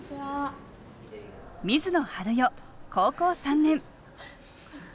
水野春予高校３年。